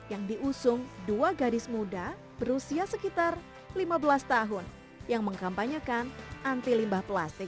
yang diusung dua gadis muda berusia sekitar lima belas tahun yang mengkampanyekan anti limbah plastik